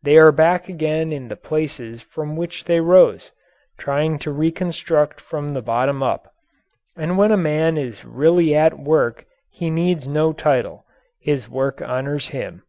They are back again in the places from which they rose trying to reconstruct from the bottom up. And when a man is really at work, he needs no title. His work honours him.